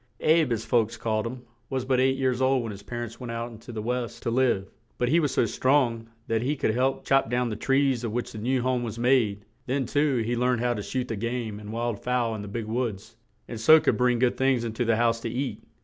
"Abe," as folks called him, was but eight years old when his par ents went out into the West to live, but he was so strong that he could help chop down the trees of which the new home was made; then, too, he learned how to shoot the game and wild fowl in the big woods, and so could bring good things in to the house to eat.